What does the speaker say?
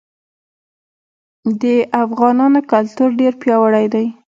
د افغانانو کلتور ډير پیاوړی دی.